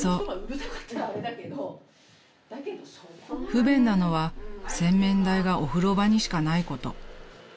［不便なのは洗面台がお風呂場にしかないこと］